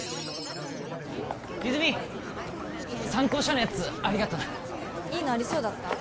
泉参考書のやつありがとないいのありそうだった？